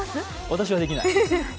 私はできない。